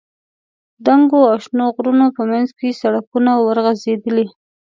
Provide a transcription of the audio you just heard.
دنګو او شنو غرونو په منځ کې سړکونه ورغځېدلي.